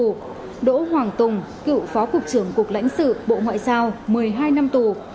cựu đỗ hoàng tùng cựu phó cục trưởng cục lãnh sự bộ ngoại giao một mươi hai năm tù